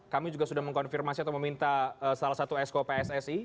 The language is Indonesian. kami juga sudah mengkonfirmasi atau meminta salah satu esko pssi